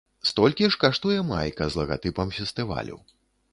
Столькі ж каштуе майка з лагатыпам фестывалю.